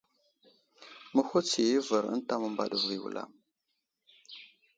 Məhutsiyo i avər ənta məmbaɗ vo i wulam.